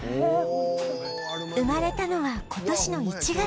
生まれたのは今年の１月